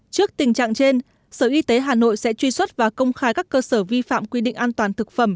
trước tình trạng trên sở y tế hà nội sẽ truy xuất và công khai các cơ sở vi phạm quy định an toàn thực phẩm